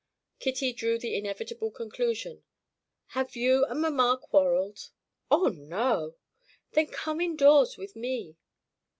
Kitty drew the inevitable conclusion: "Have you and mamma quarreled?" "Oh, no!" "Then come indoors with me."